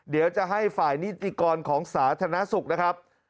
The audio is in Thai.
เดี๋ยวจะให้ฝ่ายนิติกรของสาธารณสุขนะครับ